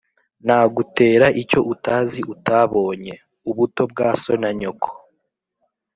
Nagutera icyo utazi utabonye :ubuto bwa so na nyoko